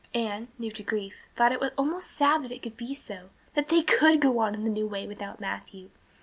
Anne, new to grief, thought it almost sad that it could be so that they could go on in the old way without Matthew.